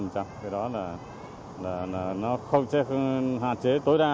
cái đó là nó không hạn chế tối đa